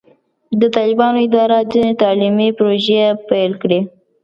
د طالبانو اداره ځینې تعلیمي پروژې پیل کړې.